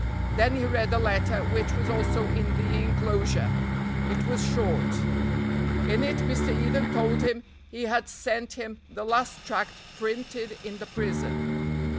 Then he read a letter which was also in the inclosure. It was short. In it Mr. Eden told him he had sent him the last tract printed in the prison.